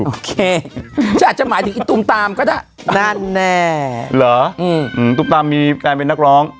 โอเคฉันอาจจะหมายถึงอีตุมตามก็ได้นั่นแน่เหรออืมตุ้มตามมีการเป็นนักร้อง